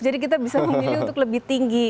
jadi kita bisa memilih untuk lebih tinggi